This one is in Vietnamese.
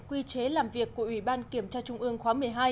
quy chế làm việc của ủy ban kiểm tra trung ương khóa một mươi hai